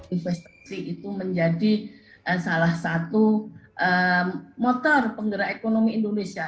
investasi itu menjadi salah satu motor penggerak ekonomi indonesia